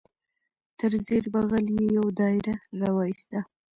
تر زیر بغل یې یو دایره را وایسته.